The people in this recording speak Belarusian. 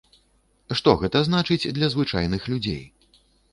Што гэта значыць для звычайных людзей?